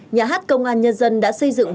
nhà hát công an nhân dân đã xây dựng